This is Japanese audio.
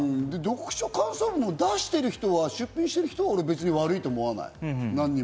読書感想文は出品している人は俺は別に悪いと思わない。